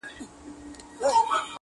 چي سبا او بله ورځ اوبه وچیږي -